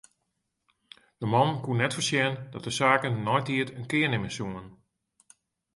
De man koe net foarsjen dat de saken neitiid in kear nimme soene.